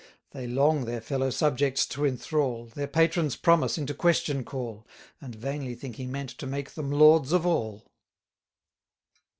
They long their fellow subjects to enthral, Their patron's promise into question call, And vainly think he meant to make them lords of all.